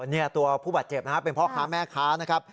นี่ตัวผู้บาดเจ็บนะครับเป็นพ่อค้าแม่ค้านะครับ